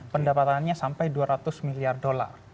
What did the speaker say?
pendapatannya sampai dua ratus miliar dolar